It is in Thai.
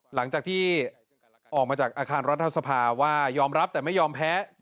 หลังจากที่ออกมาจากอาคารรัฐสภาว่ายอมรับแต่ไม่ยอมแพ้